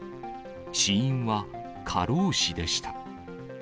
死因は過労死でした。